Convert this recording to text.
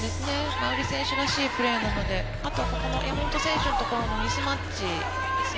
馬瓜選手らしいプレーなので山本選手のところもミスマッチですね。